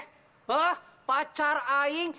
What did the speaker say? hah pacar aing